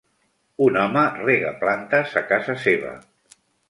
Un home rega plantes a casa seva.